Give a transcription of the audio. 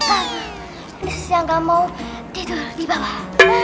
karena prinses yang gak mau tidur di bawah